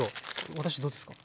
私どうですか？